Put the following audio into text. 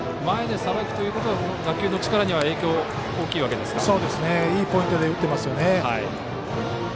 前でさばくということは打球の力にはいいポイントで打ってますよね。